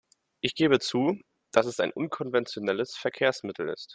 Ich gebe zu, dass es ein unkonventionelles Verkehrsmittel ist.